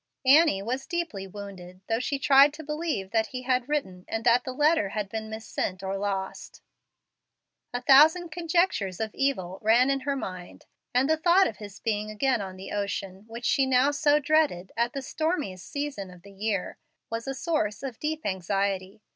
Annie was deeply wounded, though she tried to believe that he had written and that the letter had been missent or lost. A thousand conjectures of evil ran in her mind, and the thought of his being again on the ocean, which she now so dreaded, at the stormiest season of the year, was a source of deep anxiety.